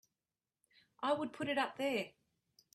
I would put it up there!